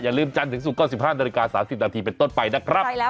อย่าลืมจัดสุดค่อนสิบห้านนาฬิกา